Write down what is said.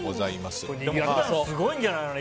すごいんじゃないの？